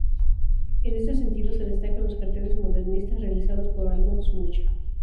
En este sentido, destacan los carteles modernistas realizados por Alfons Mucha.